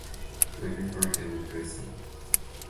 Levy Park and Preserve.